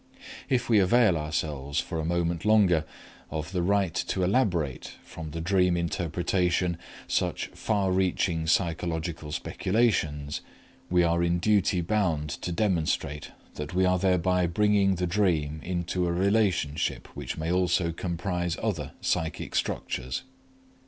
If we avail ourselves for a moment longer of the right to elaborate from the dream interpretation such far reaching psychological speculations, we are in duty bound to demonstrate that we are thereby bringing the dream into a relationship which may also comprise other psychic structures.